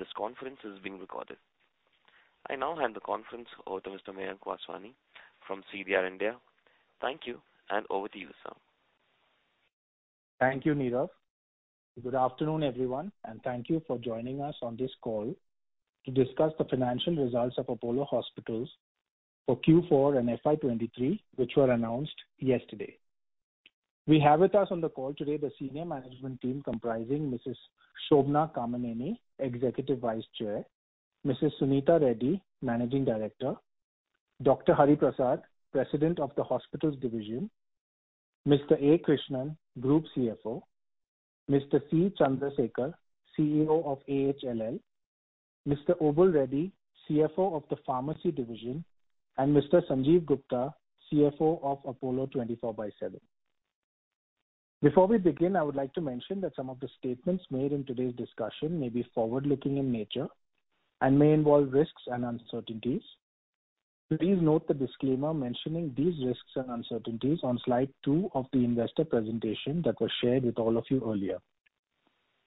Please note that this conference is being recorded. I now hand the conference over to Mr. Mayank Vaswani from CDR India. Thank you. Over to you, sir. Thank you, Neerav. Good afternoon, everyone, thank you for joining us on this call to discuss the financial results of Apollo Hospitals for Q4 and FY 2023, which were announced yesterday. We have with us on the call today the senior management team, comprising Mrs. Shobana Kamineni, Executive Vice Chair; Mrs. Suneeta Reddy, Managing Director; Dr. Hari Prasad, President of the Hospitals Division; Mr. A. Krishnan, Group CFO; Mr. C. Chandra Sekhar, CEO of AHLL; Mr. Obul Reddy, CFO of the Pharmacy Division, Mr. Sanjiv Gupta, CFO of Apollo 24/7. Before we begin, I would like to mention that some of the statements made in today's discussion may be forward-looking in nature and may involve risks and uncertainties. Please note the disclaimer mentioning these risks and uncertainties on slide 2 of the investor presentation that was shared with all of you earlier.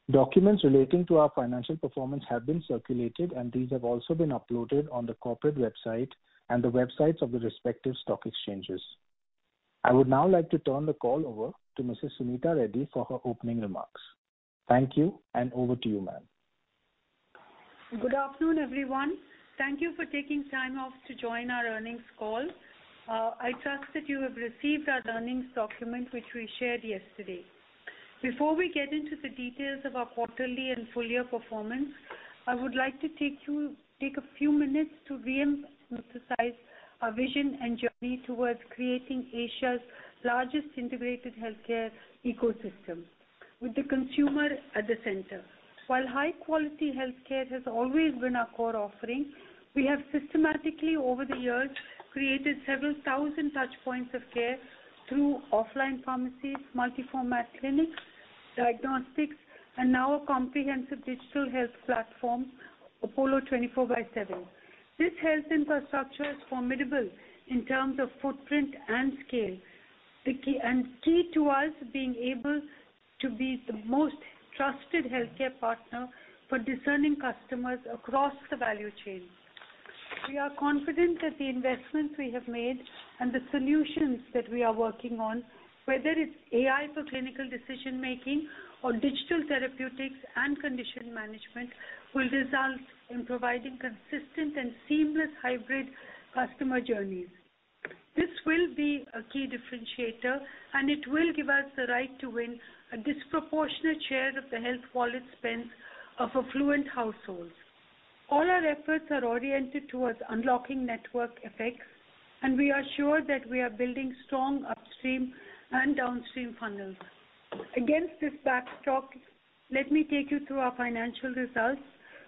Documents relating to our financial performance have been circulated, and these have also been uploaded on the corporate website and the websites of the respective stock exchanges. I would now like to turn the call over to Mrs. Suneeta Reddy for her opening remarks. Thank you, and over to you, ma'am. Good afternoon, everyone. Thank you for taking time off to join our earnings call. I trust that you have received our earnings document, which we shared yesterday. Before we get into the details of our quarterly and full year performance, I would like to take a few minutes to re-emphasize our vision and journey towards creating Asia's largest integrated healthcare ecosystem, with the consumer at the center. While high-quality healthcare has always been our core offering, we have systematically, over the years, created several thousand touchpoints of care through offline pharmacies, multi-format clinics, diagnostics, and now a comprehensive digital health platform, Apollo 24/7. This health infrastructure is formidable in terms of footprint and scale. Key to us being able to be the most trusted healthcare partner for discerning customers across the value chain. We are confident that the investments we have made and the solutions that we are working on, whether it's AI for clinical decision-making or digital therapeutics and condition management, will result in providing consistent and seamless hybrid customer journeys. This will be a key differentiator, and it will give us the right to win a disproportionate share of the health wallet spend of affluent households. All our efforts are oriented towards unlocking network effects, and we are sure that we are building strong upstream and downstream funnels. Against this backdrop, let me take you through our financial results,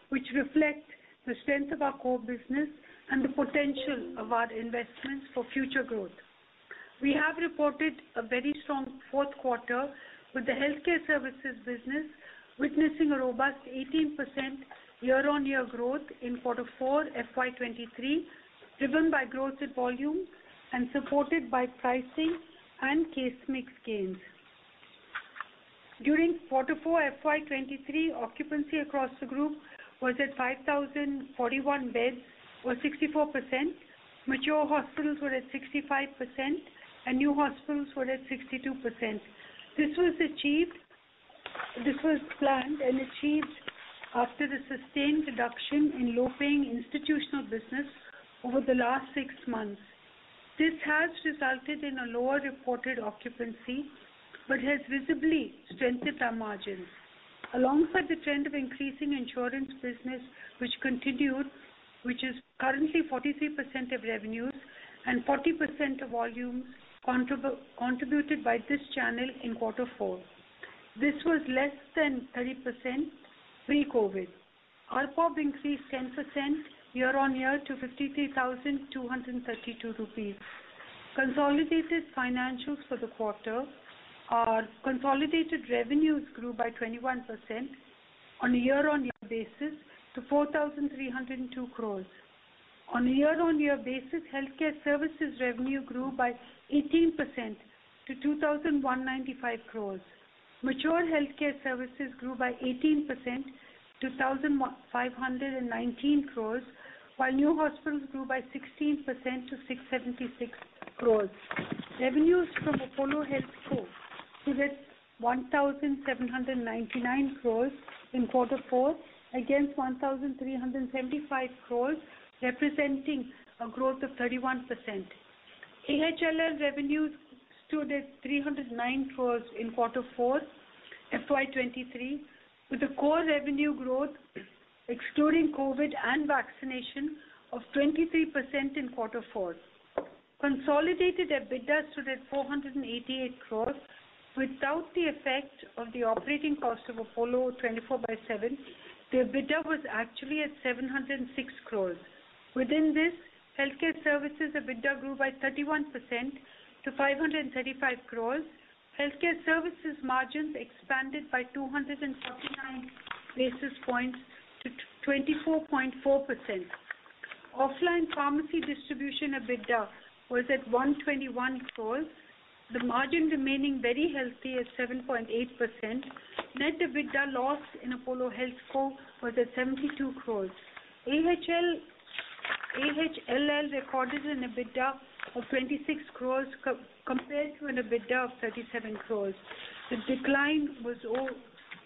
which reflect the strength of our core business and the potential of our investments for future growth. We have reported a very strong fourth quarter, with the healthcare services business witnessing a robust 18% year-on-year growth in quarter four, FY 2023, driven by growth in volume and supported by pricing and case mix gains. During quarter four, FY 2023, occupancy across the group was at 5,041 beds or 64%. Mature hospitals were at 65%. New hospitals were at 62%. This was planned and achieved after the sustained reduction in low-paying institutional business over the last six months. This has resulted in a lower reported occupancy. Has visibly strengthened our margins. Alongside the trend of increasing insurance business, which continued, which is currently 43% of revenues and 40% of volume contributed by this channel in quarter four. This was less than 30% pre-COVID. ARPOB increased 10% year-on-year to 53,232 rupees. Consolidated financials for the quarter are: consolidated revenues grew by 21% on a year-on-year basis to 4,302 crores. Year-on-year basis, healthcare services revenue grew by 18% to 2,195 crores. Mature healthcare services grew by 18% to 1,519 crores, while new hospitals grew by 16% to 676 crores. Revenues from Apollo HealthCo stood at 1,799 crores in Q4, against 1,375 crores, representing a growth of 31%. AHLL revenues stood at 309 crores in Q4, FY 2023, with a core revenue growth, excluding COVID and vaccination, of 23% in Q4. Consolidated EBITDA stood at 488 crores. Without the effect of the operating cost of Apollo 24/7, the EBITDA was actually at 706 crores. Within this, healthcare services EBITDA grew by 31% to 535 crores. Healthcare services margins expanded by 24.4%. Offline pharmacy distribution EBITDA was at 121 crores, the margin remaining very healthy at 7.8%. Net EBITDA loss in Apollo HealthCo was at 72 crores. AHLL recorded an EBITDA of 26 crores, compared to an EBITDA of 37 crores. The decline was owed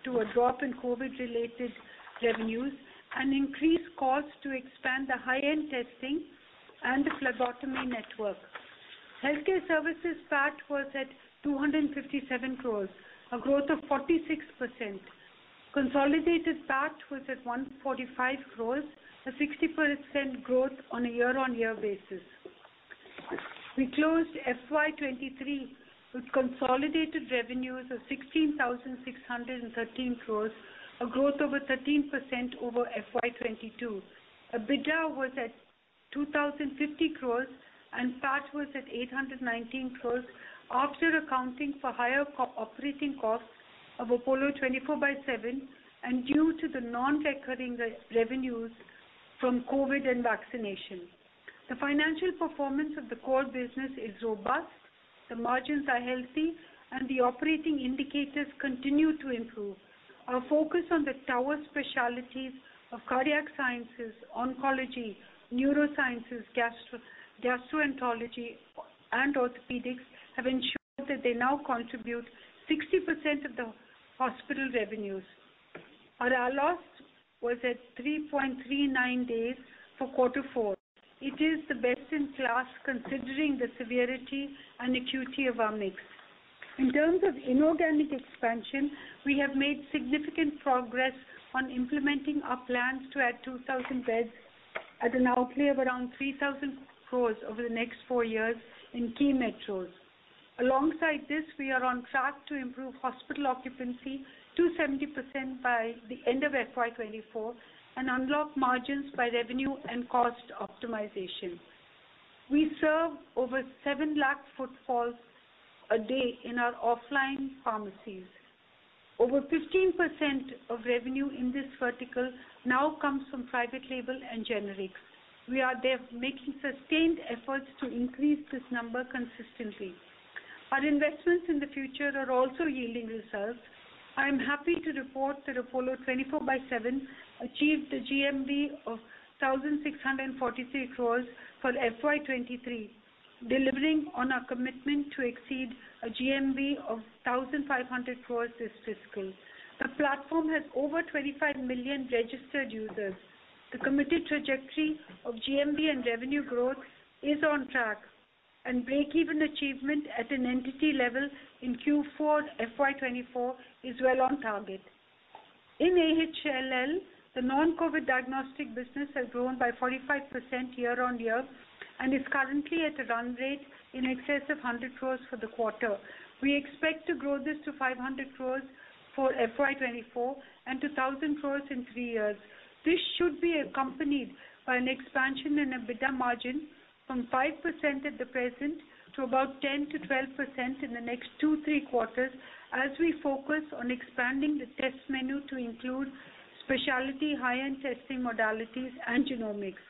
to a drop in COVID-related revenues and increased costs to expand the high-end testing and the phlebotomy network. Healthcare services PAT was at 257 crores, a growth of 46%. Consolidated PAT was at 145 crores, a 60% growth on a year-on-year basis. We closed FY 2023 with consolidated revenues of 16,613 crores, a growth over 13% over FY 2022. EBITDA was at 2,050 crores, and PAT was at 819 crores, after accounting for higher operating costs of Apollo 24/7, and due to the non-recurring revenues from COVID and vaccination. The financial performance of the core business is robust, the margins are healthy, and the operating indicators continue to improve. Our focus on the tower specialties of cardiac sciences, oncology, neurosciences, gastroenterology, and orthopedics, have ensured that they now contribute 60% of the hospital revenues. Our ALOS was at 3.39 days for quarter four. It is the best in class, considering the severity and acuity of our mix. In terms of inorganic expansion, we have made significant progress on implementing our plans to add 2,000 beds at an outlay of around 3,000 crores over the next four years in key metros. Alongside this, we are on track to improve hospital occupancy to 70% by the end of FY 2024, and unlock margins by revenue and cost optimization. We serve over 7 lakh footfalls a day in our offline pharmacies. Over 15% of revenue in this vertical now comes from private label and generics. We are there making sustained efforts to increase this number consistently. Our investments in the future are also yielding results. I am happy to report that Apollo 24/7 achieved a GMV of 1,643 crores for FY 2023, delivering on our commitment to exceed a GMV of 1,500 crores this fiscal. The platform has over 25 million registered users. The committed trajectory of GMV and revenue growth is on track. Breakeven achievement at an entity level in Q4 FY 2024 is well on target. In AHLL, the non-COVID diagnostic business has grown by 45% year-on-year, and is currently at a run rate in excess of 100 crores for the quarter. We expect to grow this to 500 crores for FY 2024, and to 1,000 crores in three years. This should be accompanied by an expansion in EBITDA margin from 5% at the present, to about 10%-12% in the next 2-3 quarters, as we focus on expanding the test menu to include specialty high-end testing modalities and genomics,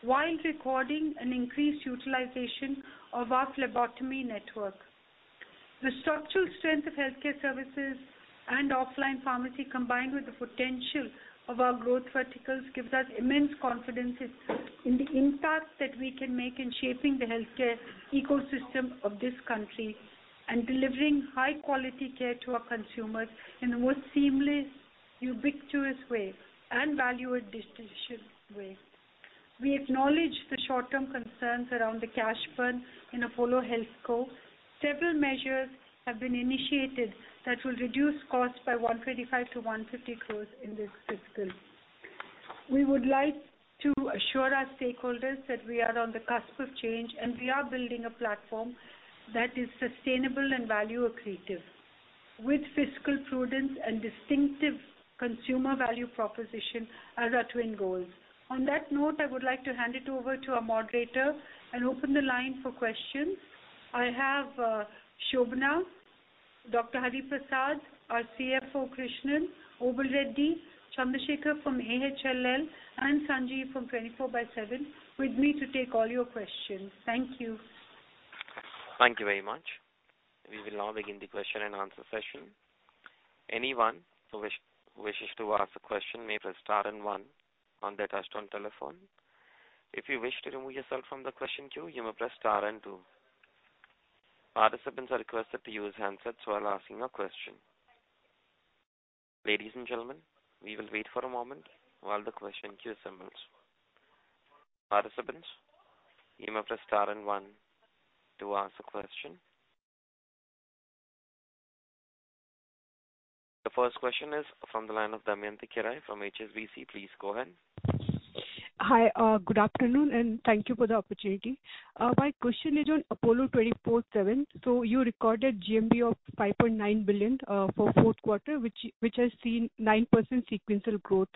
while recording an increased utilization of our phlebotomy network. The structural strength of healthcare services and offline pharmacy, combined with the potential of our growth verticals, gives us immense confidence in the impact that we can make in shaping the healthcare ecosystem of this country, and delivering high-quality care to our consumers in the most seamless, ubiquitous way and value-add distinction way. We acknowledge the short-term concerns around the cash burn in Apollo HealthCo. Several measures have been initiated that will reduce costs by 125 crores to 150 crores in this fiscal. We would like to assure our stakeholders that we are on the cusp of change, and we are building a platform that is sustainable and value accretive, with fiscal prudence and distinctive consumer value proposition as our twin goals. I would like to hand it over to our moderator and open the line for questions. I have Shobana, Dr. Hari Prasad, our CFO, Krishnan, Obul Reddy, Chandra Sekhar from AHLL, and Sanjiv from 24/7, with me to take all your questions. Thank you. Thank you very much. We will now begin the question-and-answer session. Anyone who wishes to ask a question may press star and one on their touch-tone telephone. If you wish to remove yourself from the question queue, you may press star and two. Participants are requested to use handsets while asking a question. Ladies and gentlemen, we will wait for a moment while the question queue assembles. Participants, you may press star and one to ask a question. The first question is from the line of Damayanti Kerai from HSBC. Please go ahead. Hi, good afternoon, and thank you for the opportunity. My question is on Apollo 24/7. You recorded GMV of 5.9 billion for fourth quarter, which has seen 9% sequential growth.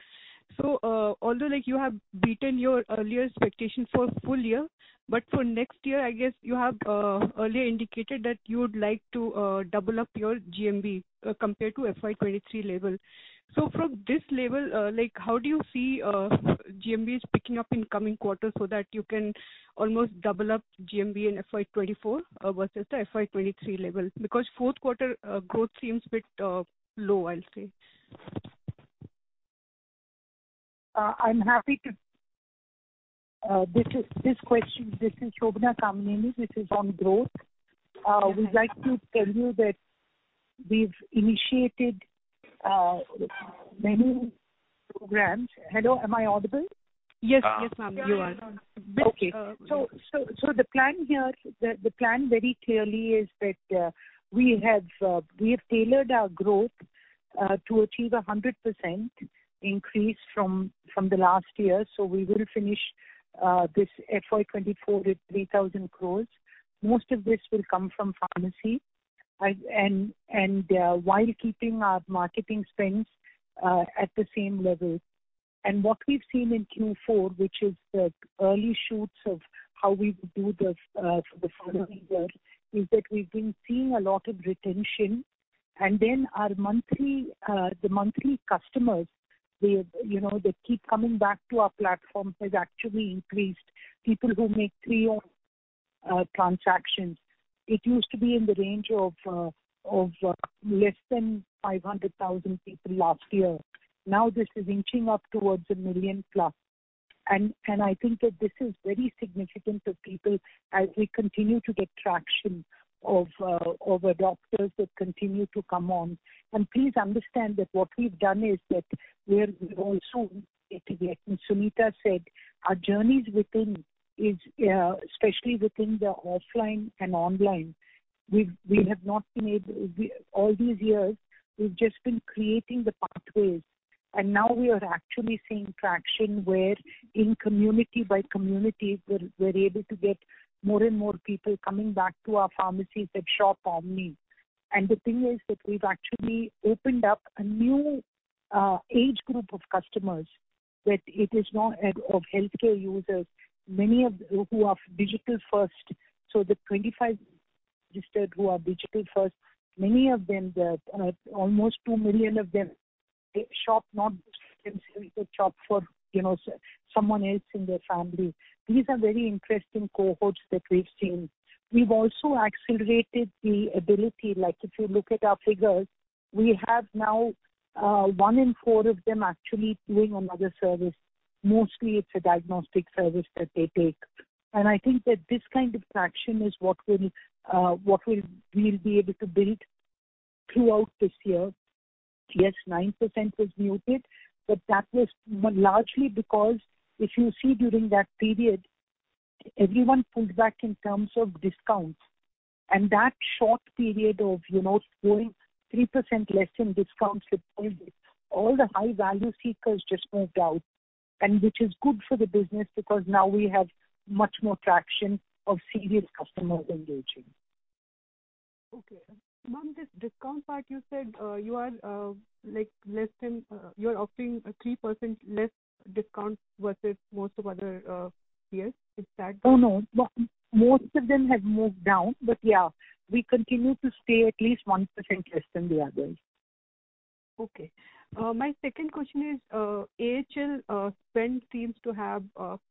Although like you have beaten your earlier expectation for full year, but for next year, I guess you have earlier indicated that you would like to double up your GMV compared to FY 2023 level. From this level, like, how do you see GMVs picking up in coming quarters so that you can almost double up GMV in FY 2024 versus the FY 2023 level? Fourth quarter growth seems a bit low, I'll say. I'm happy to take this question. This is Shobana Kamineni, which is on growth. We'd like to tell you that we've initiated, many programs. Hello, am I audible? Yes, ma'am, you are. Okay. The plan here, the plan very clearly is that we have tailored our growth to achieve a 100% increase from the last year. We will finish this FY 2024 with 3,000 crores. Most of this will come from pharmacy and while keeping our marketing spends at the same level. What we've seen in Q4, which is the early shoots of how we would do this for the following year, is that we've been seeing a lot of retention. Our monthly customers, they keep coming back to our platform, has actually increased. People who make three transactions. It used to be in the range of less than 500,000 people last year. This is inching up towards 1 million+. I think that this is very significant to people as we continue to get traction of the doctors that continue to come on. Please understand that what we've done is that we're also, like Suneeta said, our journeys within is especially within the offline and online, we have not been able. All these years, we've just been creating the pathways. Now we are actually seeing traction, where in community by community, we're able to get more and more people coming back to our pharmacies that shop on me. The thing is that we've actually opened up a new age group of customers, that it is not of healthcare users, many of who are digital first. The 25 registered who are digital first, many of them, the almost 2 million of them, they shop, not just themselves, they shop for, you know, someone else in their family. These are very interesting cohorts that we've seen. We've also accelerated the ability, like, if you look at our figures, we have now one in four of them actually doing another service. Mostly it's a diagnostic service that they take. I think that this kind of traction is what we'll be able to build throughout this year. Yes, 9% was muted, but that was largely because if you see during that period, everyone pulled back in terms of discounts. That short period of, you know, going 3% less in discounts with all this, all the high value seekers just moved out, and which is good for the business, because now we have much more traction of serious customers engaging. Okay. Ma'am, this discount part, you said you're offering a 3% less discount versus most of other, peers. Is that? No, no. Most of them have moved down, but yeah, we continue to stay at least 1% less than the others. Okay. My second question is, AHLL spend seems to have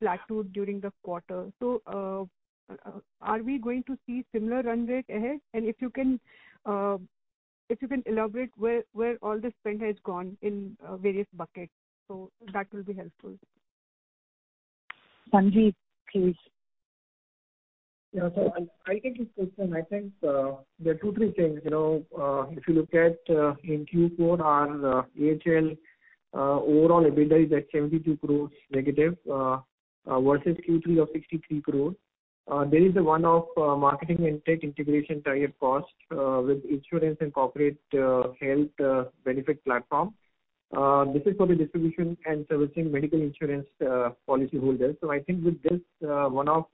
plateaued during the quarter. Are we going to see similar run rate ahead? If you can elaborate where all the spend has gone in various buckets, that will be helpful. Sanjiv, please. I think it's question. I think, there are two, three things, you know, if you look at, in Q4, our AHLL overall EBITDA is at -72 crores, versus Q3 of 63 crores. There is a one-off, marketing and tech integration tier cost, with insurance and corporate, health, benefit platform. This is for the distribution and servicing medical insurance, policyholders. I think with this, one-off,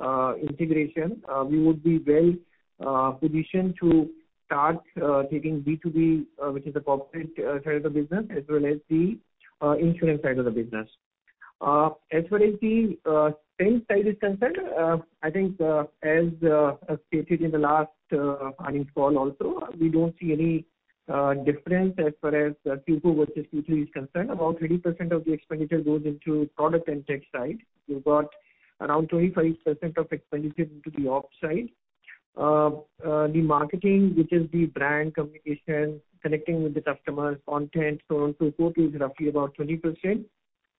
tech, integration, we would be well, positioned to start, taking B2B, which is the corporate, side of the business, as well as the, insurance side of the business. As far as the spend side is concerned, I think, as stated in the last earnings call also, we don't see any difference as far as Q2 versus Q3 is concerned. About 30% of the expenditure goes into product and tech side. We've got around 25% of expenditure into the op side. The marketing, which is the brand communication, connecting with the customers, content, so on, so forth, is roughly about 20%.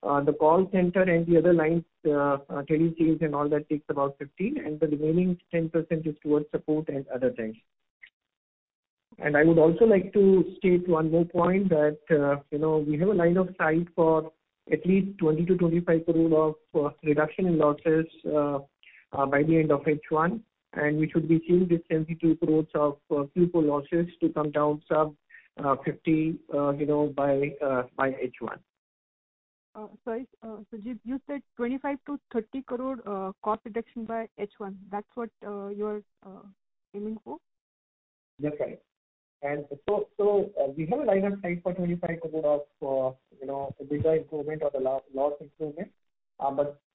The call center and the other lines, tele sales and all that takes about 15%, and the remaining 10% is towards support and other things. I would also like to state one more point, that, you know, we have a line of sight for at least 20 crore-25 crore of reduction in losses by the end of H1, and we should be seeing this INR 72 crore of Q4 losses to come down sub 50 crore, you know, by H1. Sorry, you said 25 crore-30 crore cost reduction by H1, that's what you're aiming for? Yes, right. We have a line of sight for 25 crore of, you know, bigger improvement or the loss improvement.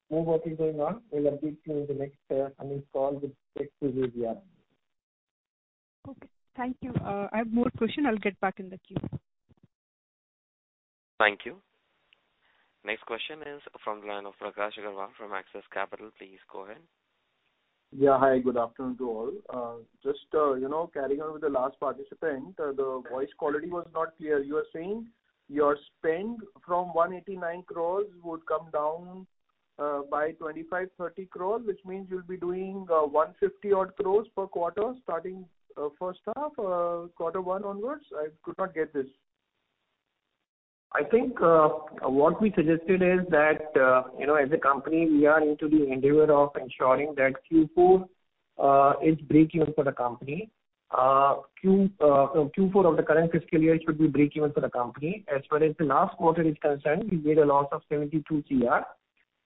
More work is going on. We will brief you in the next earnings call with respect to this year. Okay, thank you. I have more question. I'll get back in the queue. Thank you. Next question is from the line of Prakash Agarwal from Axis Capital. Please go ahead. Yeah, hi, good afternoon to all. Just, you know, carrying on with the last participant, the voice quality was not clear. You were saying your spend from 189 crores would come down by 25 crores-30 crores, which means you'll be doing 150-odd crores per quarter, starting first half, quarter one onwards? I could not get this. I think, what we suggested is that, you know, as a company, we are into the endeavor of ensuring that Q4 is breakeven for the company. Q4 of the current fiscal year should be breakeven for the company. As far as the last quarter is concerned, we made a loss of 72 crore.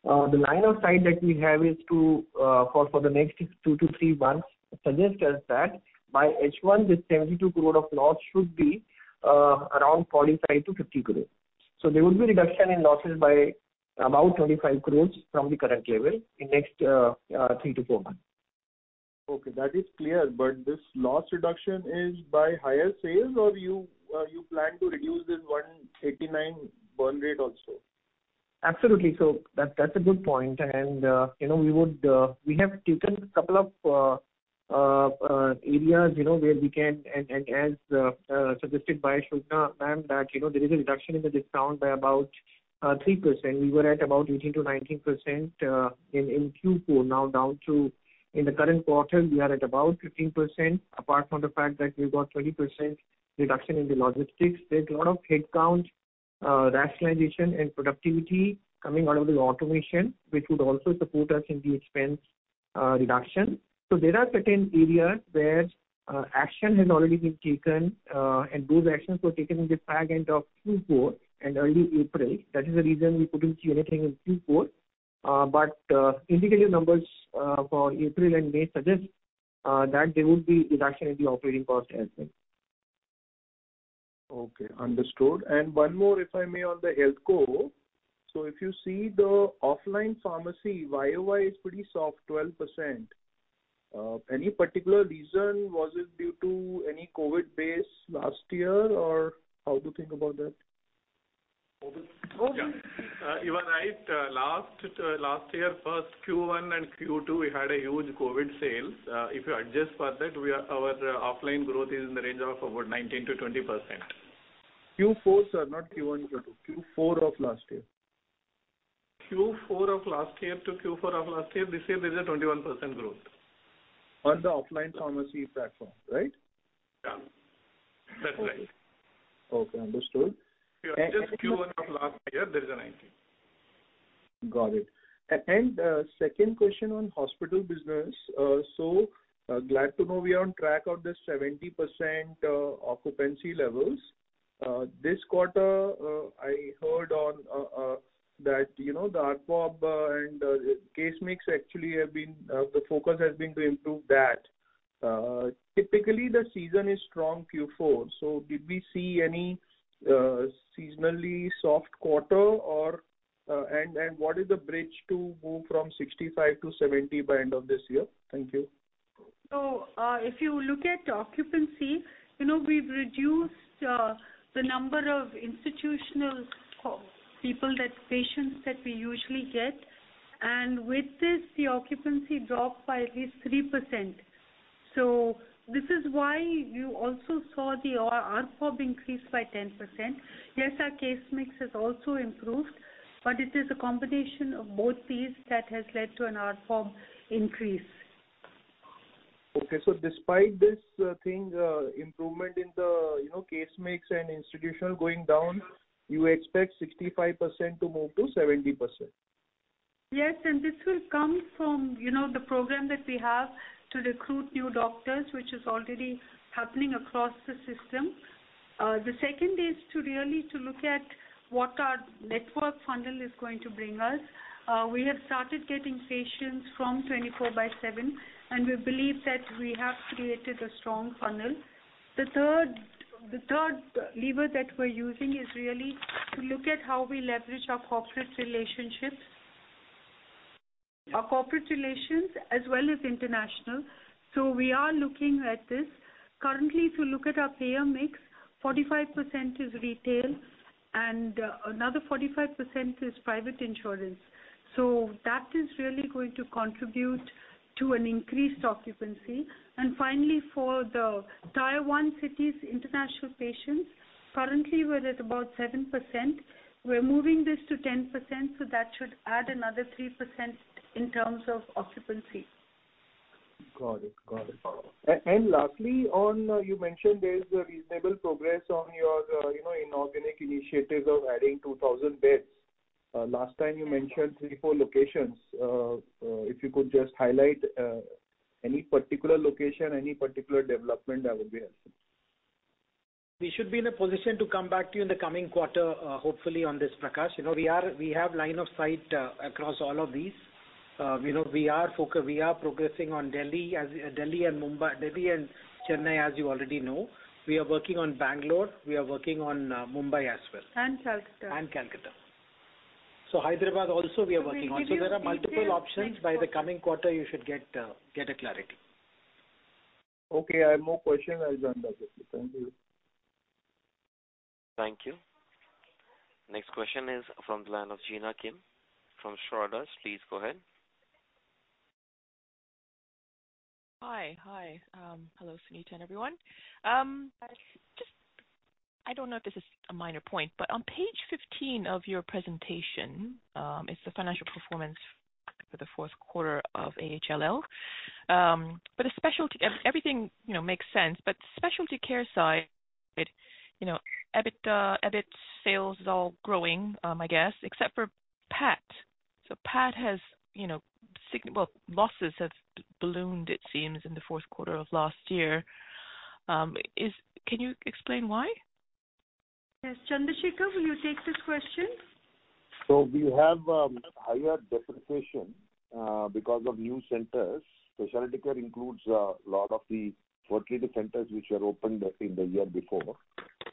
The line of sight that we have is to for the next 2-3 months, suggests us that by H1, this 72 crore of loss should be around 45-50 crore. There will be reduction in losses by about 25 crore from the current level in next 3-4 months. Okay, that is clear. This loss reduction is by higher sales, or you plan to reduce this 189 burn rate also? Absolutely. That's a good point, and you know, we have taken a couple of areas, you know, where we can. As suggested by Shobana, ma'am, that, you know, there is a reduction in the discount by about 3%. We were at about 18%-19% in Q4. Down to in the current quarter, we are at about 15%, apart from the fact that we've got 20% reduction in the logistics. There's a lot of headcount, rationalization and productivity coming out of the automation, which would also support us in the expense reduction. There are certain areas where action has already been taken, and those actions were taken in the back end of Q4 and early April. That is the reason we couldn't see anything in Q4. Indicative numbers for April and May suggest that there will be reduction in the operating cost as well. Okay, understood. One more, if I may, on the HealthCo. If you see the offline pharmacy, YOY is pretty soft, 12%. Any particular reason, was it due to any COVID base last year, or how to think about that? Yeah. You are right. Last year, first Q1 and Q2, we had a huge COVID sales. If you adjust for that, our offline growth is in the range of about 19%-20%. Q4, sir, not Q1 and Q2. Q4 of last year. Q4 of last year to Q4 of last year, we say there is a 21% growth. On the offline pharmacy platform, right? Yeah. That's right. Okay. Understood. Yeah, just Q1 of last year, there is a 19%. Got it. Second question on hospital business. Glad to know we are on track of the 70% occupancy levels. This quarter, I heard on that, you know, the ARPOB and case mix actually have been the focus has been to improve that. Typically, the season is strong, Q4. Did we see any seasonally soft quarter or? What is the bridge to move from 65%-70% by end of this year? Thank you. If you look at occupancy, you know, we've reduced the number of institutional people, that patients that we usually get, and with this, the occupancy dropped by at least 3%. This is why you also saw the ARPB increase by 10%. Yes, our case mix has also improved, but it is a combination of both these that has led to an ARPB increase. Despite this, thing, improvement in the, you know, case mix and institutional going down, you expect 65% to move to 70%? Yes, this will come from, you know, the program that we have to recruit new doctors, which is already happening across the system. The second is to really look at what our network funnel is going to bring us. We have started getting patients from 24/7, and we believe that we have created a strong funnel. The third lever that we're using is really to look at how we leverage our corporate relationships, our corporate relations, as well as international. We are looking at this. Currently, if you look at our payer mix, 45% is retail and, another 45% is private insurance. That is really going to contribute to an increased occupancy. Finally, for the Tier 1 cities, international patients, currently we're at about 7%. We're moving this to 10%, so that should add another 3% in terms of occupancy. Got it. Lastly, on, you mentioned there is a reasonable progress on your, you know, inorganic initiatives of adding 2,000 beds. Last time you mentioned 3-4 locations. If you could just highlight any particular location, any particular development, that would be helpful. We should be in a position to come back to you in the coming quarter, hopefully on this, Prakash. You know, we have line of sight across all of these. We know we are progressing on Delhi and Mumbai, Delhi and Chennai, as you already know. We are working on Bangalore. We are working on Mumbai as well, and Calcutta. Hyderabad also, we are working on. There are multiple options. By the coming quarter, you should get a clarity. Okay, I have more question. I'll join back with you. Thank you. Thank you. Next question is from the line of Gina Kim, from Schroders. Please go ahead. Hi. Hello, Suneeta, and everyone. Just I don't know if this is a minor point, but on page 15 of your presentation, it's the financial performance for the fourth quarter of AHLL. But everything, you know, makes sense, but specialty care side, it, you know, EBIT sales is all growing, I guess, except for PAT. PAT has, you know, Well, losses have ballooned, it seems, in the fourth quarter of last year. Can you explain why? Yes. Chandra Sekhar, will you take this question? We have higher depreciation because of new centers. Specialty care includes a lot of the tertiary centers which are opened in the year before,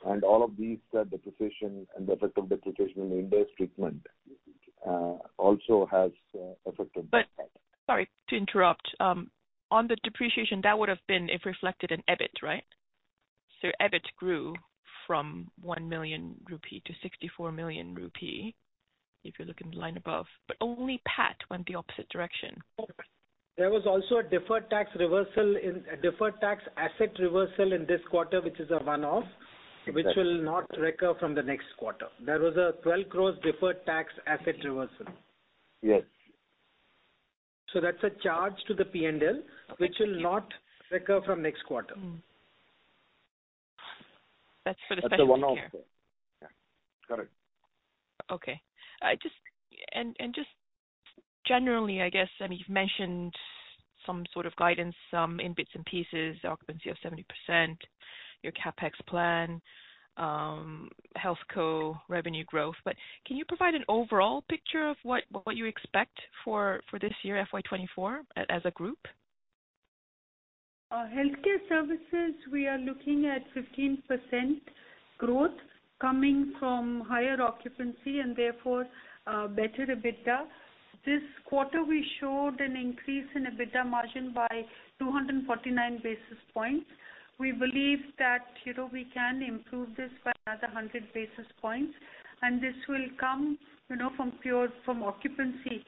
and all of these, the depreciation and the effect of depreciation in the index treatment also has affected that. Sorry to interrupt. On the depreciation, that would have been if reflected in EBIT, right? EBIT grew from 1 million-64 million rupee, if you look in the line above, but only PAT went the opposite direction. There was also a deferred tax asset reversal in this quarter, which is a one-off, which will not recur from the next quarter. There was a 12 crores deferred tax asset reversal. Yes. That's a charge to the P&L, which will not recur from next quarter. That's for the specialty care. That's a one-off. Yeah, got it. Okay. just and just generally, I guess, I mean, you've mentioned some sort of guidance, some in bits and pieces, occupancy of 70%, your CapEx plan, HealthCo revenue growth. Can you provide an overall picture of what you expect for this year, FY 2024, as a group? Healthcare services, we are looking at 15% growth coming from higher occupancy and therefore, better EBITDA. This quarter, we showed an increase in EBITDA margin by 249 basis points. We believe that, you know, we can improve this by another 100 basis points, this will come, you know, from occupancy,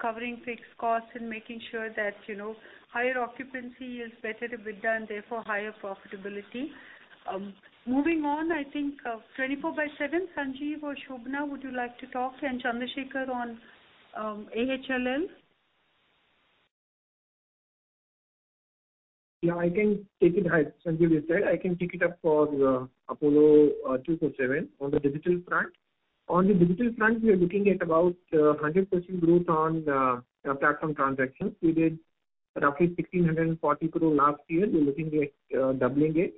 covering fixed costs and making sure that, you know, higher occupancy is better EBITDA and therefore higher profitability. Moving on, I think, 24/7, Sanjiv or Shobana, would you like to talk, and Chandra Sekhar on, AHLL? Yeah, I can take it. Hi, Sanjiv here. I can take it up for the Apollo 24/7 on the digital front. On the digital front, we are looking at about 100% growth on platform transactions. We did roughly 1,640 crore last year. We're looking at doubling it.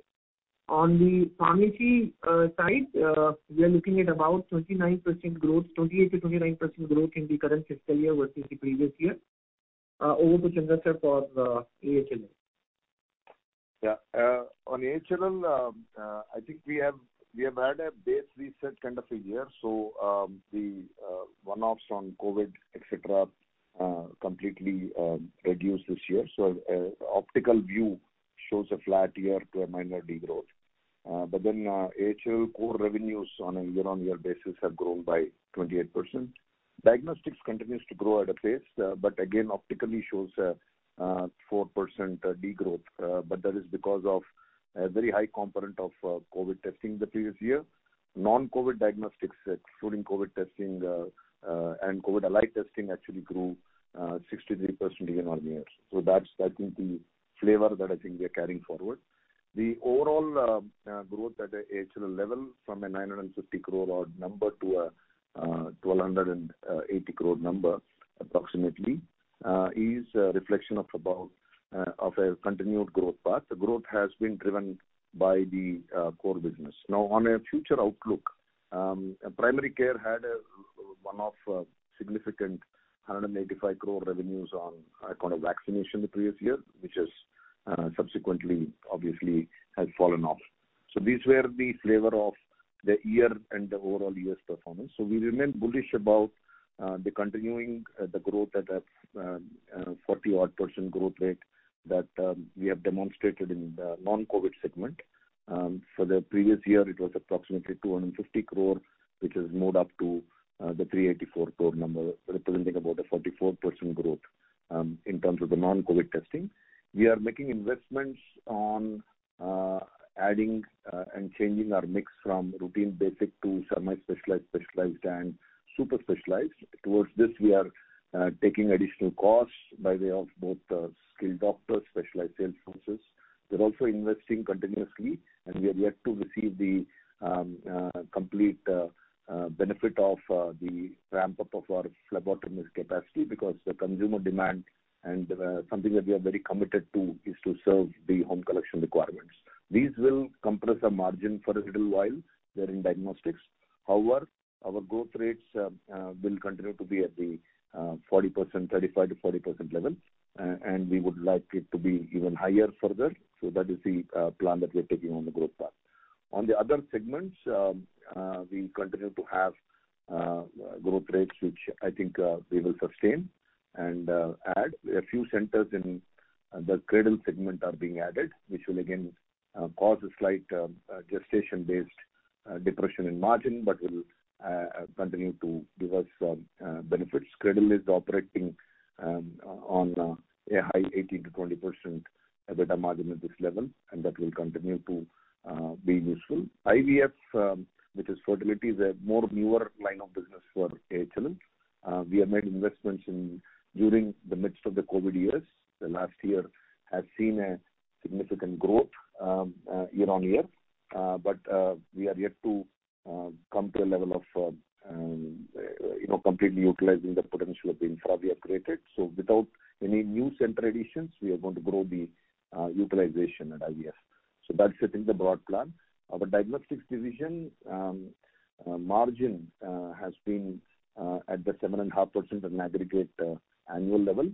On the pharmacy side, we are looking at about 29% growth, 28%-29% growth in the current fiscal year versus the previous year. Over to Chandra Sekhar for the AHLL. Yeah. On AHLL, I think we have had a base reset kind of a year. The one-offs on COVID, etc, completely reduced this year. Optical view shows a flat year to a minor degrowth. AHLL core revenues on a year-on-year basis have grown by 28%. Diagnostics continues to grow at a pace, but again, optically shows a 4% degrowth, but that is because of a very high component of COVID testing the previous year. Non-COVID diagnostics, excluding COVID testing, and COVID-alike testing, actually grew 63% year-on-year. That's the flavor that I think we are carrying forward. The overall growth at the AHLL level from an 950-crore odd number to an 1,280 crore number, approximately, is a reflection of about of a continued growth path. The growth has been driven by the core business. Now, on a future outlook, primary care had a one-off significant 185 crore revenues on account of vaccination the previous year, which has subsequently, obviously, has fallen off. These were the flavor of the year and the overall year's performance. We remain bullish about the continuing the growth at a 40% odd growth rate that we have demonstrated in the non-COVID segment. For the previous year, it was approximately 250 crore, which has moved up to the 384 crore number, representing about a 44% growth in terms of the non-COVID testing. We are making investments on adding and changing our mix from routine basic to semi-specialized, specialized and super specialized. Towards this, we are taking additional costs by way of both skilled doctors, specialized sales forces. We're also investing continuously, and we are yet to receive the complete benefit of the ramp-up of our phlebotomist capacity because the consumer demand and something that we are very committed to is to serve the home collection requirements. These will compress our margin for a little while there in diagnostics. However, our growth rates will continue to be at the 40%, 35%-40% level. We would like it to be even higher further, so that is the plan that we're taking on the growth path. On the other segments, we continue to have growth rates, which I think we will sustain and add. A few centers in the Cradle segment are being added, which will again cause a slight gestation-based depression in margin, will continue to give us benefits. Cradle is operating on a high 18%-20% EBITDA margin at this level, that will continue to be useful. IVF, which is fertility, is a more newer line of business for AHLL. We have made investments in during the midst of the COVID years. The last year has seen a significant growth year-on-year. We are yet to come to a level of, you know, completely utilizing the potential of the infra we have created. Without any new center additions, we are going to grow the utilization at IVF. That's I think the broad plan. Our diagnostics division margin has been at the 7.5% in aggregate, annual level.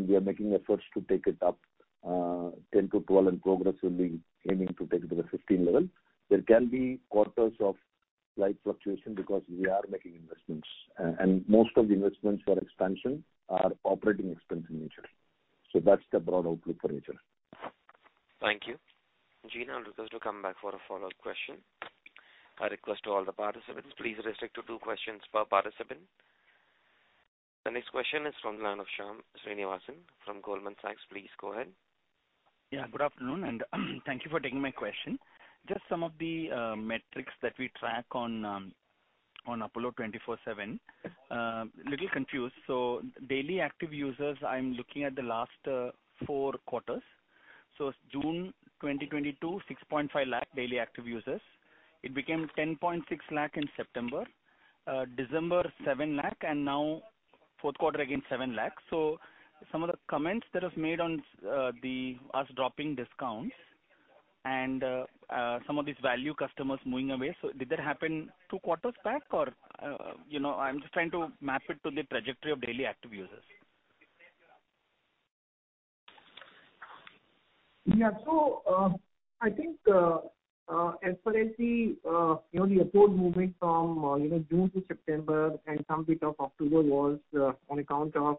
We are making efforts to take it up 10%-12%, and progressively aiming to take it to the 15% level. There can be quarters of slight fluctuation because we are making investments. Most of the investments for expansion are operating expenses initially. That's the broad outlook for initial. Thank you. Gina, I'll request to come back for a follow-up question. I request to all the participants, please restrict to two questions per participant. The next question is from Shyam Srinivasan from Goldman Sachs. Please go ahead. Good afternoon, and thank you for taking my question. Just some of the metrics that we track on Apollo 24/7, little confused. Daily active users, I'm looking at the last four quarters. June 2022, 6.5 lakh daily active users. It became 10.6 lakh in September, December, 7 lakh, and now fourth quarter, again, 7 lakh. Some of the comments that was made on us dropping discounts and some of these value customers moving away. Did that happen two quarters back or, you know, I'm just trying to map it to the trajectory of daily active users? Yeah. I think, as far as the, you know, the upload movement from, you know, June to September and some bit of October was on account of,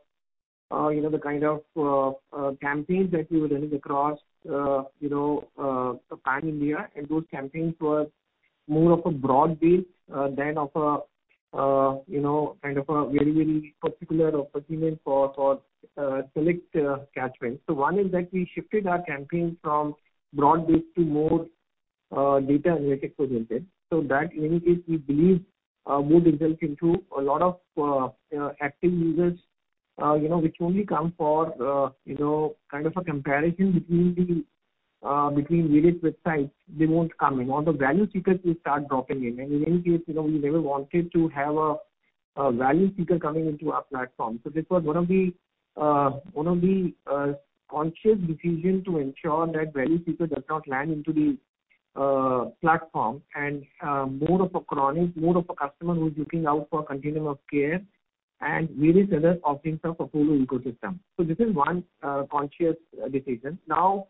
you know, the kind of campaigns that we were running across, you know, the Pan-India, and those campaigns were more of a broad-based than of a, you know, kind of a very, very particular opportunity for, select catchments. One is that we shifted our campaign from broad-based to more data analytics presented. That in any case, we believe, would result into a lot of active users, you know, which only come for, you know, kind of a comparison between the between various websites, they won't come in. All the value seekers will start dropping in, and in any case, you know, we never wanted to have a value seeker coming into our platform. This was one of the conscious decision to ensure that value seeker does not land into the platform and more of a chronic, more of a customer who's looking out for a continuum of care and various other offerings of Apollo ecosystem. This is one conscious decision. Now,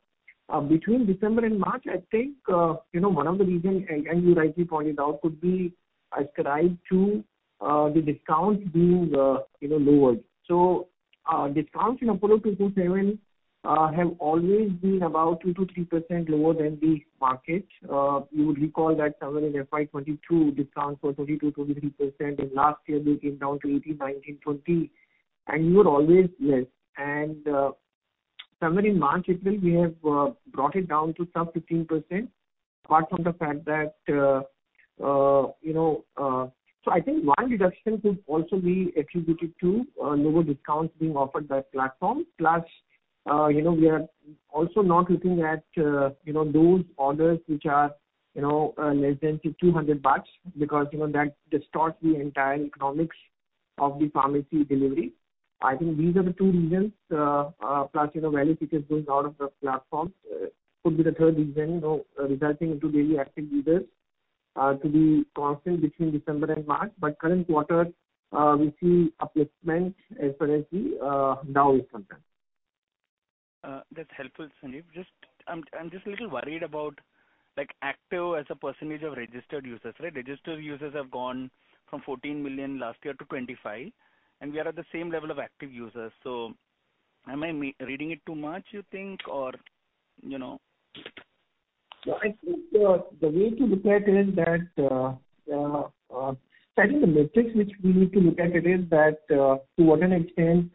between December and March, I think, you know, one of the reasons, and you rightly pointed out, could be ascribed to the discounts being, you know, lowered. Discounts in Apollo 24/7 have always been about 2%-3% lower than the market. You would recall that somewhere in FY 2022, discounts were 22%, 23%, and last year they came down to 18%, 19%, 20%, and we were always less. Somewhere in March, April, we have brought it down to some 15%, apart from the fact that, you know. I think one reduction could also be attributed to lower discounts being offered by platform. Plus, you know, we are also not looking at, you know, those orders which are, you know, less than INR 200, because, you know, that distorts the entire economics of the pharmacy delivery. I think these are the two reasons, plus, you know, value seekers going out of the platform, could be the third reason, you know, resulting into daily active users to be constant between December and March. Current quarter, we see a placement as far as the now is concerned. That's helpful, Sanjiv. I'm just a little worried about, like, active as a percentage of registered users, right? Registered users have gone from 14 million last year to 25, and we are at the same level of active users. Am I reading it too much, you think, or you know? I think, the way to look at it is that, I think the metrics which we need to look at it is that, to what an extent,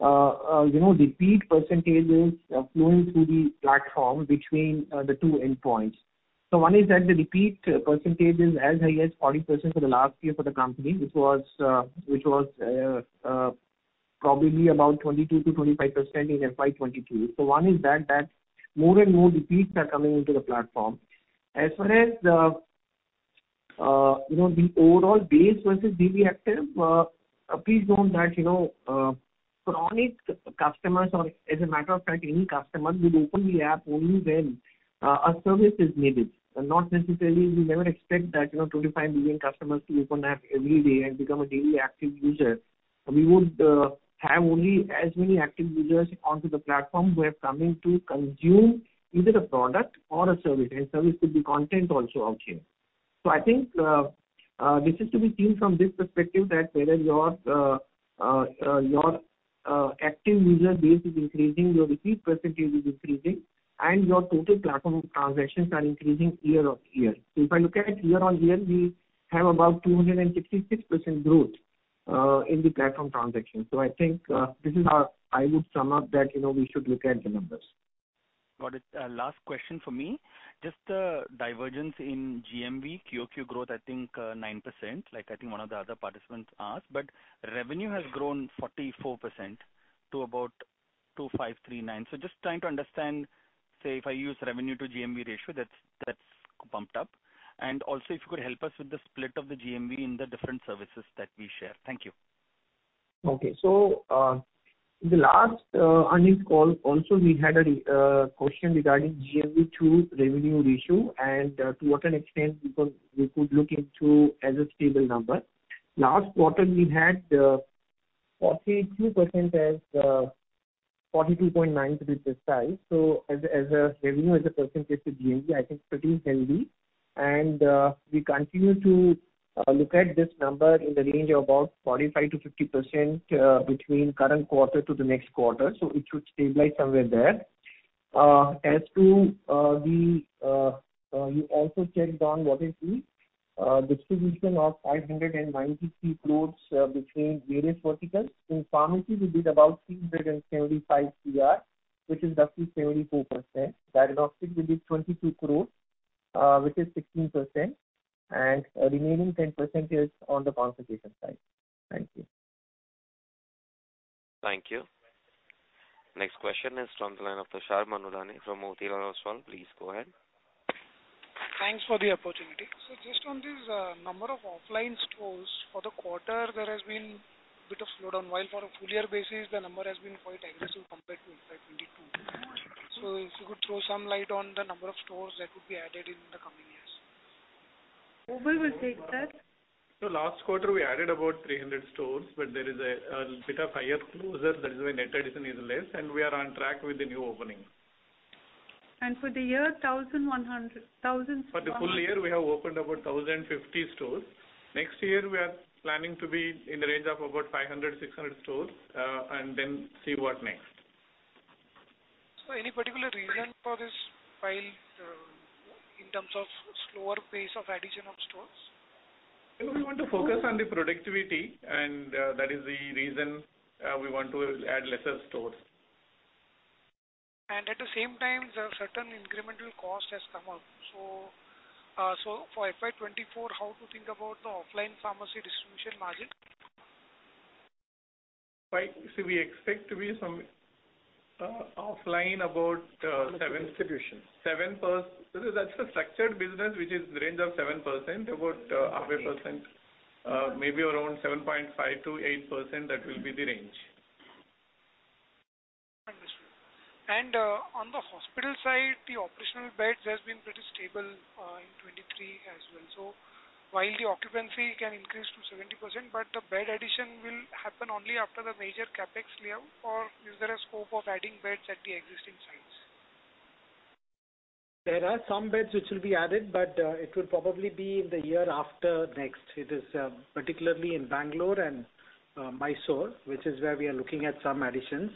you know, repeat percentages are flowing through the platform between the two endpoints. One is that the repeat percentage is as high as 40% for the last year for the company, which was probably about 22%-25% in FY 2022. One is that more and more repeats are coming into the platform. As far as the overall base versus daily active, please note that, you know, chronic customers, or as a matter of fact, any customer, will open the app only when a service is needed. Not necessarily, we never expect that, you know, 25 million customers to open the app every day and become a daily active user. We would have only as many active users onto the platform who are coming to consume either a product or a service, and service could be content also out here. I think, this is to be seen from this perspective, that whether your active user base is increasing, your repeat percentage is increasing, and your total platform transactions are increasing year-over-year. If I look at it year-on-year, we have about 266% growth in the platform transactions. I think, this is how I would sum up that, you know, we should look at the numbers. Got it. Last question for me. Just the divergence in GMV, QoQ growth, I think, 9%, like I think one of the other participants asked. Revenue has grown 44% to about 2,539. Just trying to understand, say, if I use revenue to GMV ratio, that's bumped up. Also, if you could help us with the split of the GMV in the different services that we share. Thank you. Okay. In the last earnings call, also we had a question regarding GMV to revenue ratio, to what an extent because we could look into as a stable number. Last quarter, we had 42% as 42.9% to be precise. As a revenue, as a percentage to GMV, I think pretty healthy. We continue to look at this number in the range of about 45%-50% between current quarter to the next quarter, so it should stabilize somewhere there. As to the, you also checked on what is the distribution of 593 crore between various verticals. In pharmacy, we did about 375 crore, which is roughly 74%. Diagnostics will be 22 crore, which is 16%, and remaining 10% is on the consultation side. Thank you. Thank you. Next question is from the line of Tushar Manudhane from Motilal Oswal. Please go ahead. Thanks for the opportunity. Just on this, number of offline stores, for the quarter, there has been a bit of slowdown, while for a full year basis, the number has been quite aggressive compared to FY 2022. If you could throw some light on the number of stores that could be added in the coming years. Obul will take that. Last quarter, we added about 300 stores. There is a bit of higher closure. That is why net addition is less. We are on track with the new opening. For the year, 1,100. For the full year, we have opened about 1,050 stores. Next year, we are planning to be in the range of about 500, 600 stores, then see what next. Any particular reason for this while, in terms of slower pace of addition of stores? We want to focus on the productivity, and, that is the reason, we want to add lesser stores. At the same time, certain incremental cost has come up. For FY 2024, how to think about the offline pharmacy distribution margin? Right. we expect to be some, offline, about, Distribution. 7%. That's a structured business, which is the range of 7%, about 0.5%, maybe around 7.5%-8%. That will be the range. Understood. On the hospital side, the operational beds has been pretty stable, in 23 as well. While the occupancy can increase to 70%, but the bed addition will happen only after the major CapEx clear, or is there a scope of adding beds at the existing sites? There are some beds which will be added, but it will probably be in the year after next. It is, particularly in Bangalore and Mysore, which is where we are looking at some additions.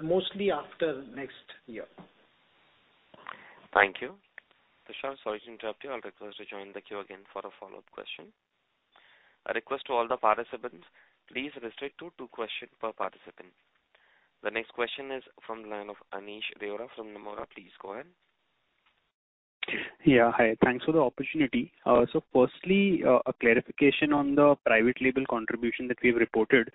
Mostly after next year. Thank you. Tushar, sorry to interrupt you. I'll request to join the queue again for a follow-up question. A request to all the participants, please restrict to two questions per participant. The next question is from the line of Aneesh Deora from Nomura. Please go ahead. Hi. Thanks for the opportunity. Firstly, a clarification on the private label contribution that we've reported.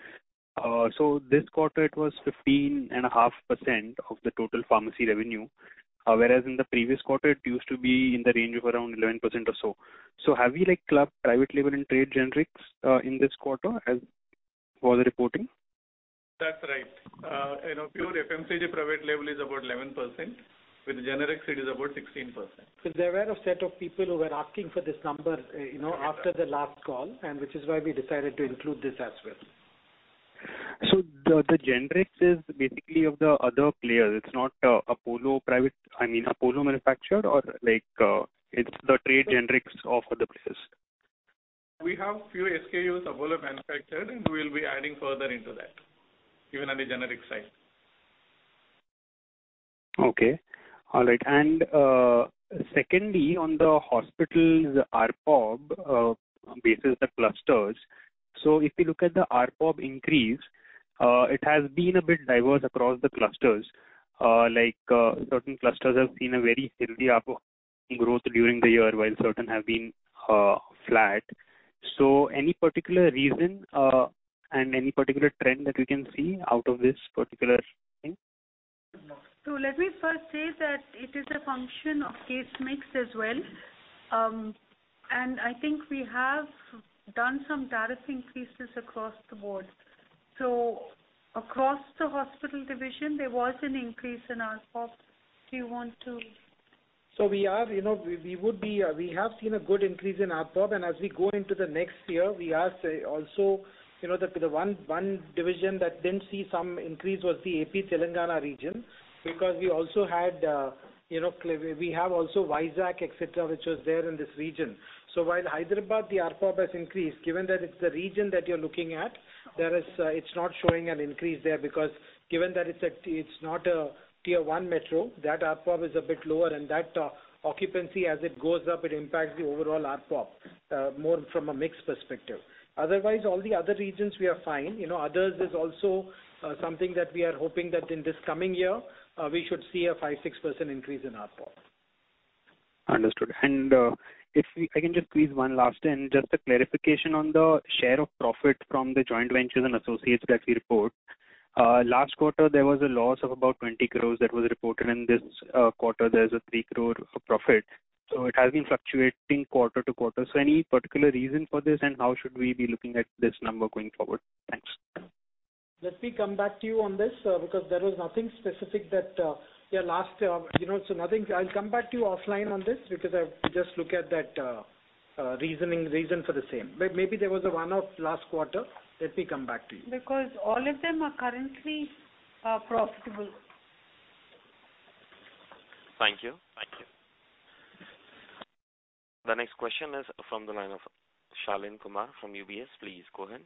This quarter, it was 15.5% of the total pharmacy revenue, whereas in the previous quarter, it used to be in the range of around 11% or so. Have you club private label and trade generics in this quarter as for the reporting? That's right. In a pure FMCG, private label is about 11%. With generics, it is about 16%. There were a set of people who were asking for this number, you know, after the last call, and which is why we decided to include this as well. The generics is basically of the other players. It's not, I mean, Apollo manufactured, or like, it's the trade generics of other places? We have few SKUs Apollo manufactured, and we will be adding further into that, even on the generic side. Okay, all right. Secondly, on the hospitals ARPOB, basis the clusters. If you look at the ARPOB increase, it has been a bit diverse across the clusters. Like, certain clusters have seen a very healthy ARPOB growth during the year, while certain have been flat. Any particular reason, and any particular trend that we can see out of this particular thing? Let me first say that it is a function of case mix as well. I think we have done some tariff increases across the board. Across the hospital division, there was an increase in ARPOB. Do you want to. We are, you know, we would be, we have seen a good increase in ARPOB, and as we go into the next year, we are say, also, you know, that the one division that didn't see some increase was the AP Telangana region. We also had, you know, we have also Vizag, etc, which was there in this region. While Hyderabad, the ARPOB has increased, given that it's the region that you're looking at, there is, it's not showing an increase there because given that it's not a Tier 1 metro, that ARPOB is a bit lower, and that occupancy as it goes up, it impacts the overall ARPOB, more from a mix perspective. Otherwise, all the other regions, we are fine. You know, others, there's also, something that we are hoping that in this coming year, we should see a 5%-6% increase in ARPOB. Understood. I can just please one last, and just a clarification on the share of profit from the joint ventures and associates that we report. Last quarter, there was a loss of about 20 crores that was reported, in this quarter, there's a 3 crore profit, it has been fluctuating quarter-to-quarter. Any particular reason for this, and how should we be looking at this number going forward? Thanks. Let me come back to you on this, because there was nothing specific that, yeah, last, you know, so nothing. I'll come back to you offline on this, because I have to just look at that reasoning, reason for the same. maybe there was a one-off last quarter. Let me come back to you. All of them are currently profitable. Thank you. Thank you. The next question is from the line of Shaleen Kumar from UBS. Please go ahead.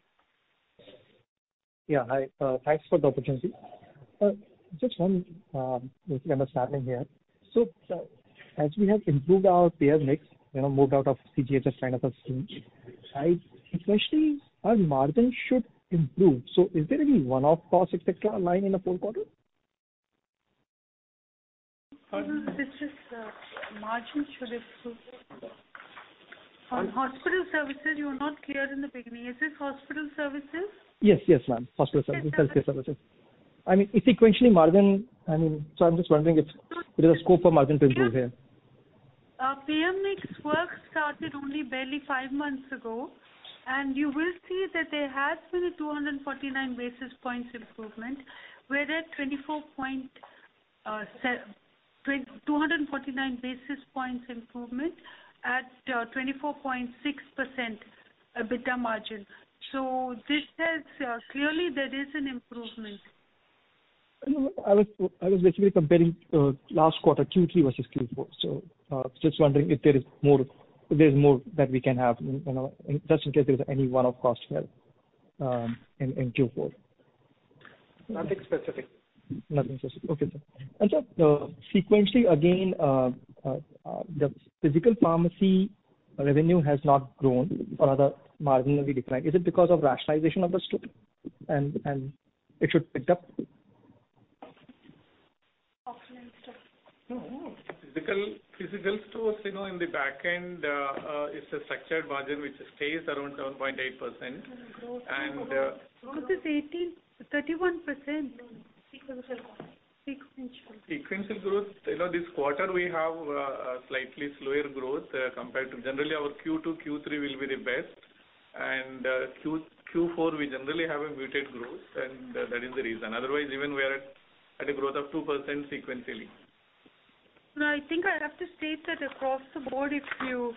Yeah, hi. Thanks for the opportunity. Just one understanding here. As we have improved our payer mix, you know, moved out of CGHS kind of a scheme, I, sequentially, our margin should improve. Is there any one-off cost, etc, line in the fourth quarter? This is, margin should improve. On hospital services, you were not clear in the beginning. Is this hospital services? Yes, ma'am. Hospital services, healthcare services. I mean, sequentially margin, I mean, so I'm just wondering if there's a scope for margin to improve here. Payer mix work started only barely five months ago. You will see that there has been a 249 basis points improvement, where at 249 basis points improvement at 24.6% EBITDA margin. This tells, clearly there is an improvement. I was basically comparing, last quarter, Q3 versus Q4. Just wondering if there's more that we can have, you know, just in case there's any one-off costs here, in Q4? Nothing specific. Nothing specific. Okay, sir. Sir, sequentially, again, the physical pharmacy revenue has not grown, or rather, margin will be declining. Is it because of rationalization of the store? It should pick up? Occupancy store. No, no. Physical stores, you know, in the back end, it's a structured margin which stays around 7.8%. Growth is 31% sequentially. Sequential growth, you know, this quarter we have a slightly slower growth compared to. Generally, our Q2, Q3 will be the best. Q4, we generally have a muted growth, and that is the reason. Otherwise, even we are at a growth of 2% sequentially. I think I'd have to state that across the board, if you,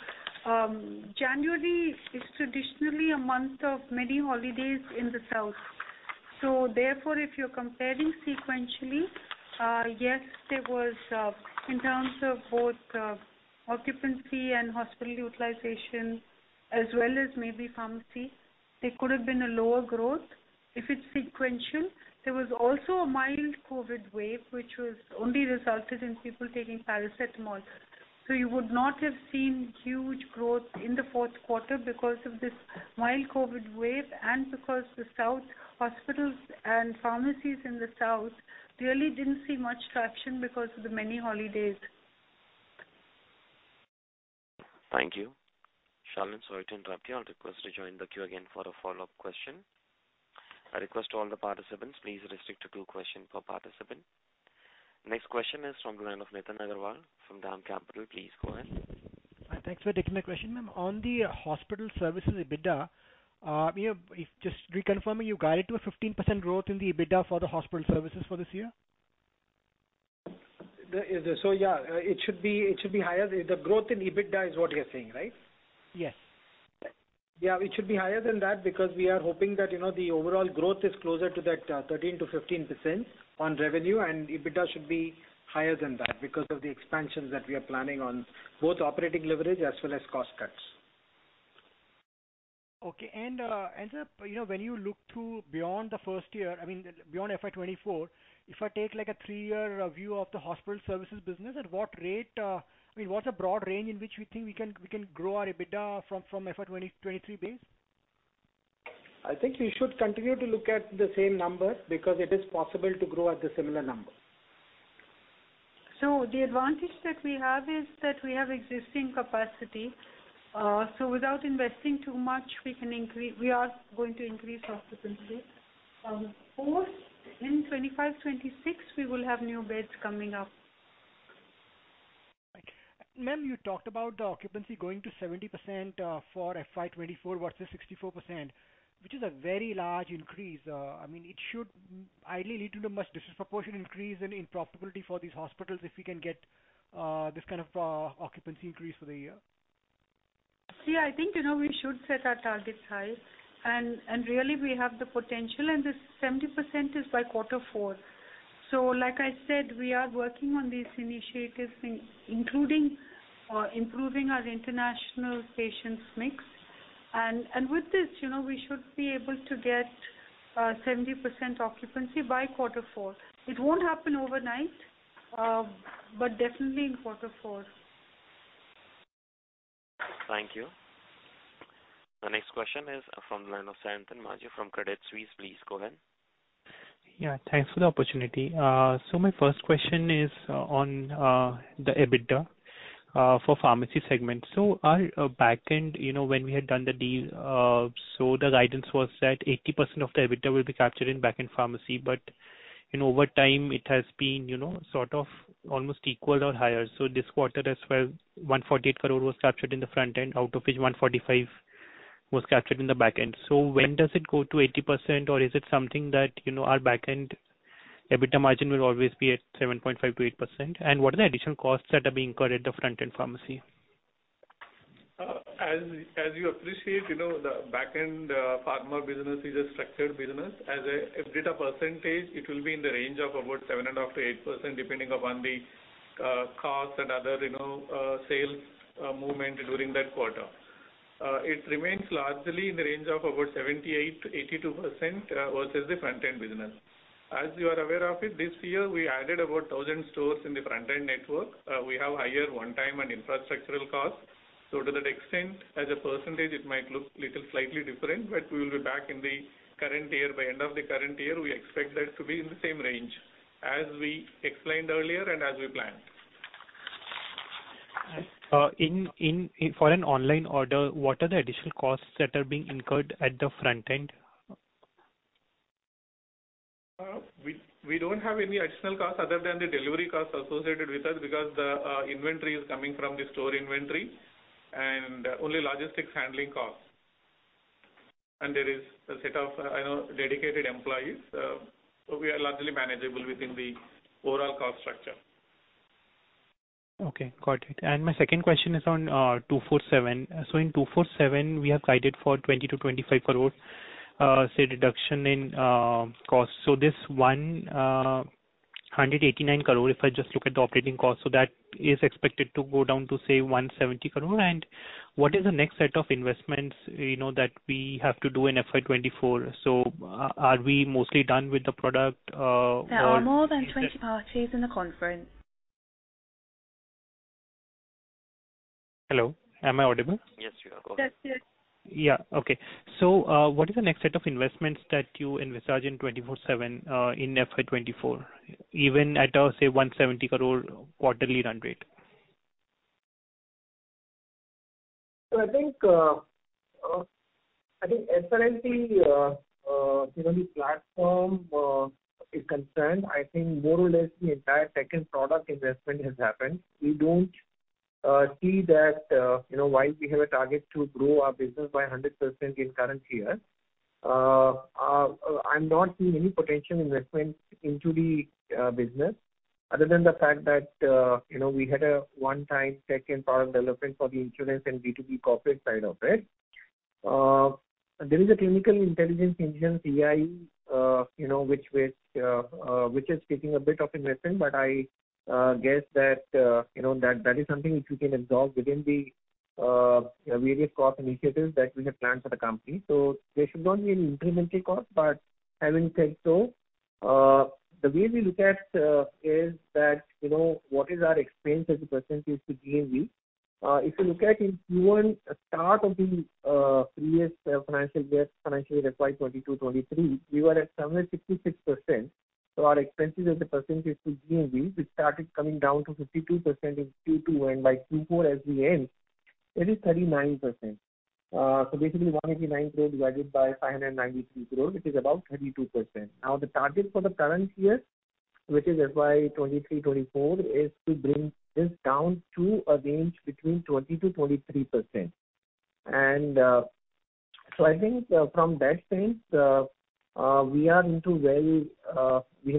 January is traditionally a month of many holidays in the south. If you're comparing sequentially, yes, there was, in terms of both, occupancy and hospital utilization, as well as maybe pharmacy, there could have been a lower growth. If it's sequential, there was also a mild COVID wave, which was only resulted in people taking paracetamol. You would not have seen huge growth in the fourth quarter because of this mild COVID wave, and because the south hospitals and pharmacies in the south really didn't see much traction because of the many holidays. Thank you. Shaleen, sorry to interrupt you. I'll request you to join the queue again for a follow-up question. I request all the participants, please restrict to two questions per participant. Next question is from the line of Nitin Agarwal from DAM Capital. Please go ahead. Thanks for taking my question, ma'am. On the hospital services EBITDA, if just reconfirming, you guided to a 15% growth in the EBITDA for the hospital services for this year? So yeah, it should be higher. The growth in EBITDA is what you're saying, right? Yes. Yeah, it should be higher than that, because we are hoping that, you know, the overall growth is closer to that, 13%-15% on revenue, and EBITDA should be higher than that, because of the expansions that we are planning on both operating leverage as well as cost cuts. Okay. Sir, you know, when you look to beyond the first year, I mean, beyond FY 2024, if I take, like, a three-year view of the hospital services business, at what rate, I mean, what's the broad range in which we think we can grow our EBITDA from FY 2023 base? I think you should continue to look at the same number, because it is possible to grow at the similar number. The advantage that we have is that we have existing capacity. Without investing too much, we are going to increase occupancy. Of course, in 2025, 2026, we will have new beds coming up. Right. Ma'am, you talked about the occupancy going to 70% for FY 2024 versus 64%, which is a very large increase. I mean, it should ideally lead to a much disproportionate increase in profitability for these hospitals, if we can get this kind of occupancy increase for the year. Yeah, I think, you know, we should set our targets high, and really we have the potential, and this 70% is by Q4. Like I said, we are working on these initiatives, including improving our international patients mix. With this, you know, we should be able to get 70% occupancy by Q4. It won't happen overnight, but definitely in Q4. Thank you. The next question is from the line of Sayantan Maji from Credit Suisse. Please go ahead. Thanks for the opportunity. My first question is on the EBITDA for pharmacy segment. Our back end, you know, when we had done the deal, the guidance was that 80% of the EBITDA will be captured in back-end pharmacy, but you know, over time, it has been, you know, sort of almost equaled or higher. This quarter as well, 148 crore was captured in the front end, out of which 145 crore was captured in the back end. When does it go to 80%, or is it something that, you know, our back-end EBITDA margin will always be at 7.5%-8%? What are the additional costs that are being incurred at the front-end pharmacy? As you appreciate, you know, the back end pharma business is a structured business. As an EBITDA percentage, it will be in the range of about 7.5%-8%, depending upon the cost and other, you know, sales movement during that quarter. It remains largely in the range of about 78%-82% versus the front-end business. As you are aware of it, this year, we added about 1,000 stores in the front-end network. We have higher one-time and infrastructural costs. To that extent, as a percentage, it might look little slightly different, but we will be back in the current year. By end of the current year, we expect that to be in the same range as we explained earlier and as we planned. For an online order, what are the additional costs that are being incurred at the front end? We don't have any additional costs other than the delivery costs associated with that, because the inventory is coming from the store inventory and only logistics handling costs. There is a set of, you know, dedicated employees, so we are largely manageable within the overall cost structure. Okay, got it. My second question is on 24/7. In 24/7, we have guided for 20 crore-25 crore reduction in costs. This 189 crore, if I just look at the operating costs, that is expected to go down to 170 crore. What is the next set of investments, you know, that we have to do in FY 2024? Are we mostly done with the product? Hello, am I audible? Yes, yes. Okay. What is the next set of investments that you invest in 24/7, in FY2024, even at, say, 170 crore quarterly run rate? I think, I think as far as the, you know, the platform, is concerned, I think more or less the entire second product investment has happened. We don't see that, you know, while we have a target to grow our business by 100% in current year, I'm not seeing any potential investment into the business, other than the fact that, you know, we had a one-time second product development for the insurance and B2B corporate side of it. There is a clinical intelligence engine, CI, you know, which, which is taking a bit of investment, but I guess that, you know, that is something which we can absorb within the various cost initiatives that we have planned for the company. There should not be an incremental cost, but having said so, the way we look at, is that, you know, what is our expense as a percentage to GMV? If you look at it, even at start of the previous financial year, FY 2022-FY 2023, we were at 7.66%. Our expenses as a percentage to GMV, which started coming down to 52% in Q2, and by Q4 as we end, it is 39%. Basically, 189 crore divided by 593 crore, which is about 32%. The target for the current year, which is FY 2023-2024, is to bring this down to a range between 20%-23%. I think, from that sense, we are into very, we have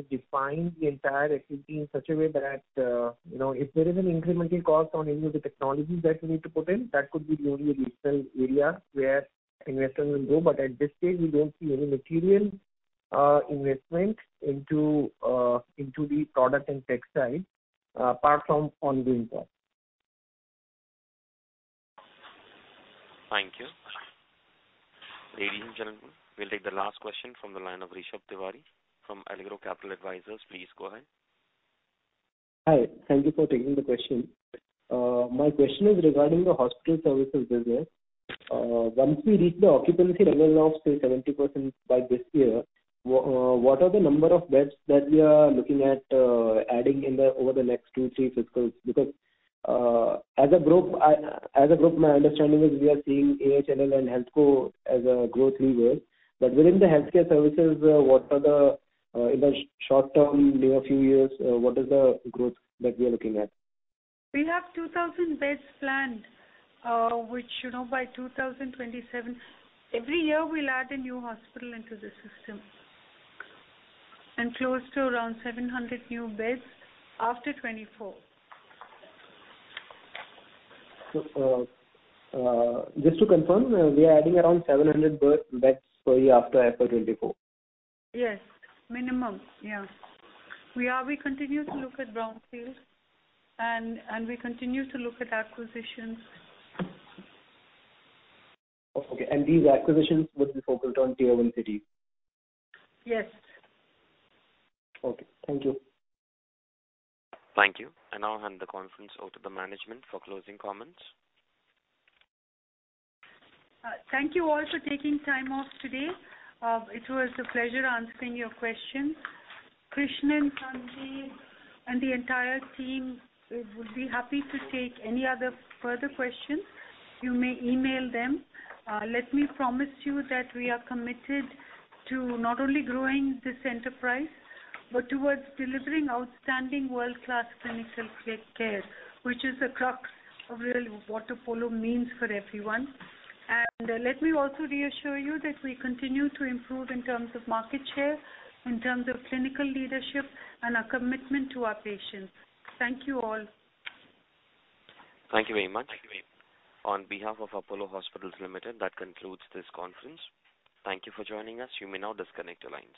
defined the entire activity in such a way that, you know, if there is an incremental cost on any of the technologies that we need to put in, that could be the only recent area where investment will go. At this stage, we don't see any material investment into the product and tech side, apart from ongoing costs. Thank you. Ladies and gentlemen, we'll take the last question from the line of Rishabh Tiwari from Allegro Capital Advisors. Please go ahead. Hi, thank you for taking the question. My question is regarding the hospital services business. Once we reach the occupancy level of, say, 70% by this year, what are the number of beds that we are looking at adding over the next 2-3 fiscals? Because as a group, my understanding is we are seeing AHLL and HealthCo as a growth lever. Within the healthcare services, what are the in the short term, near few years, what is the growth that we are looking at? We have 2,000 beds planned, which, you know, by 2027. Every year, we'll add a new hospital into the system. And close to around 700 new beds after 2024. just to confirm, we are adding around 700 beds per year after April 2024? Yes. Minimum, yeah. We continue to look at brownfields and we continue to look at acquisitions. Okay, these acquisitions would be focused on Tier 1 cities? Yes. Okay, thank you. Thank you. I now hand the conference over to the management for closing comments. Thank you all for taking time off today. It was a pleasure answering your questions. Krishnan and Sanjiv, and the entire team would be happy to take any other further questions. You may email them. Let me promise you that we are committed to not only growing this enterprise, but towards delivering outstanding world-class clinical care, which is the crux of really what Apollo means for everyone. Let me also reassure you that we continue to improve in terms of market share, in terms of clinical leadership, and our commitment to our patients. Thank you all. Thank you very much. On behalf of Apollo Hospitals Limited, that concludes this conference. Thank you for joining us. You may now disconnect your lines.